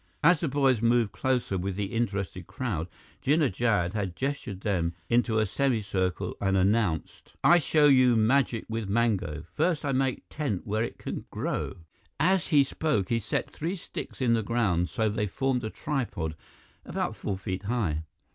As the boys moved closer with the interested crowd, Jinnah Jad gestured them into a semicircle and announced: "I show you magic with mango. First I make tent where it can grow " As he spoke, he set three sticks in the ground so they formed a tripod about four feet high.